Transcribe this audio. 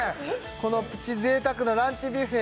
このプチ贅沢なランチビュッフェ